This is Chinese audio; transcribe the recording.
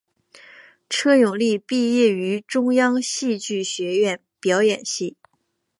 车永莉毕业于中央戏剧学院表演系。